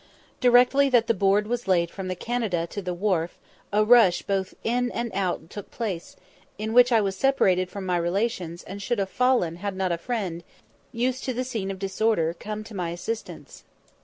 Directly that the board was laid from the Canada to the wharf a rush both in and out took place, in which I was separated from my relations, and should have fallen had not a friend, used to the scene of disorder, come to my assistance.